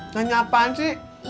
nanya apaan sih